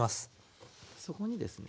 そこにですね